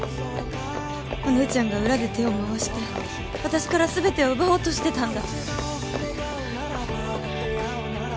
お姉ちゃんが裏で手を回して私からすべてを奪おうとしてたんだ！